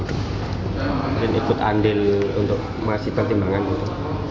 mungkin ikut andil untuk ngasih pertimbangan itu